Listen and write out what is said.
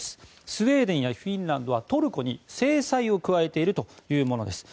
スウェーデンやフィンランドはトルコに制裁を加えているというものです。